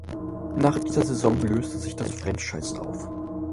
Nach dieser Saison löste sich das Franchise auf.